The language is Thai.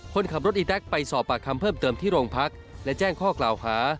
คนขับรถอีแต๊กไปสอบปากคำเพิ่มเติมที่โรงพักและแจ้งข้อกล่าวหา